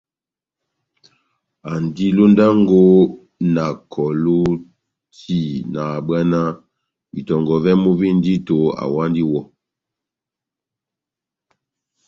Andi londango na kɔlu tian nahábwanáh itɔngɔ vɛ́mu vi ndito awandi iwɔ.